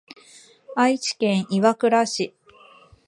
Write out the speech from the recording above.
愛知県岩倉市